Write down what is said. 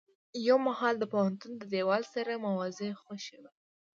يو مهال د پوهنتون د دېوال سره موازي خوشې و.